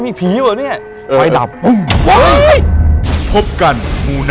วันอันคาร๔ทุ่ม